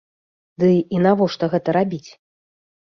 Ды, і навошта гэта рабіць?